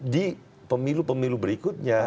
di pemilu pemilu berikutnya